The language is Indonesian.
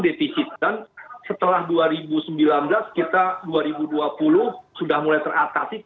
dan setelah dua ribu sembilan belas kita dua ribu dua puluh sudah mulai teratasi